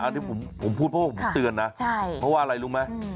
อันนี้ผมพูดเพราะว่าผมเตือนนะเพราะว่าอะไรรู้ไหม